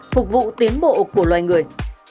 phục vụ tiến bộ của loài người